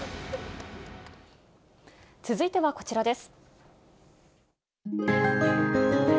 続いてはこちらです。